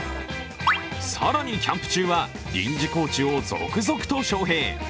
更にキャンプ中は臨時コーチを続々と招へい。